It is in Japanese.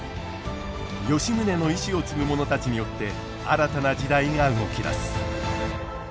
吉宗の遺志を継ぐ者たちによって新たな時代が動き出す。